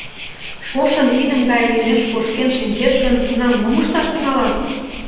Шошым идым гай лиймеш кошкен шинчеш гын, тунам мом ышташ тӱҥалат?